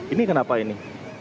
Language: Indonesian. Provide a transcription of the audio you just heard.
ini kenapa ini